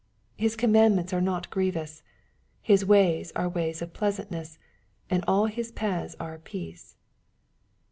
His commandments are not grievous. His ways are ways of pleasantness, and all his paths are peace.